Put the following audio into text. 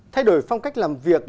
thay đổi phong cách làm việc